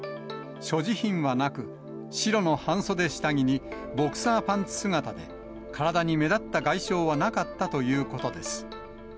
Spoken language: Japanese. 所持品はなく、白の半袖下着にボクサーパンツ姿で、体に目立った外傷はなかったということです。